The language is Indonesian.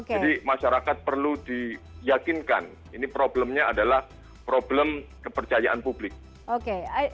jadi masyarakat perlu diyakinkan ini problemnya adalah problem kepercayaan publik